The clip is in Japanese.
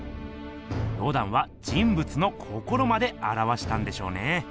ロダンは人ぶつの心まであらわしたんでしょうね。